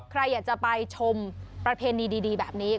ใครอยากจะไปชมประเพณีดีแบบนี้